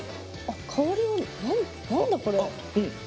香りは何だこれ。